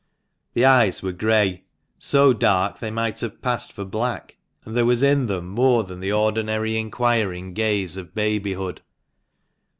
The eyes were grey, so dark they might have passed for black; and there was in them more than the ordinary inquiring gaze of babyhood.